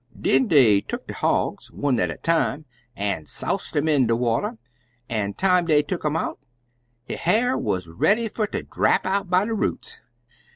Den dey tuck de hogs, one at a time, an' soused um in de water, an' time dey tuck um out, he ha'r wuz ready fer ter drap out by de roots.